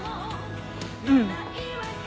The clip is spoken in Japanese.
うん。